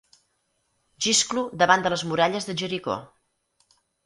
Xisclo davant de les muralles de Jericó.